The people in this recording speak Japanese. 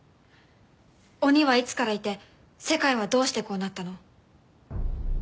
鬼はいつからいて世界はどうしてこうなったの？